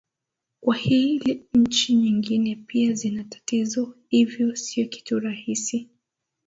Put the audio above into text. kwa hili nchi nyingine pia zina tatizo hivyo sio kitu rahisi